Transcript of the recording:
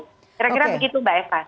kira kira begitu mbak eva